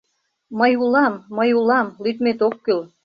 Мый улам, мый улам, лӱдмет ок кӱл...